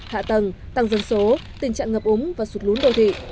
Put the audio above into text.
hạ tầng tăng dân số tình trạng ngập úng và sụt lún đô thị